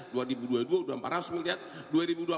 dua ribu dua puluh dua sudah empat ratus miliar